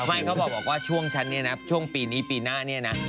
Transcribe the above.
แม่งเขาบอกว่าช่วงชั้นนี้น่ะช่วงปีนี้ปีหน้านี่น่ะ